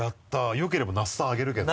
よければ那須さんあげるけど。